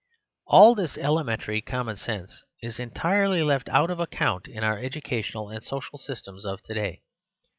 All this elementary common sense is entirely left out of account in our educational and social systems of to day.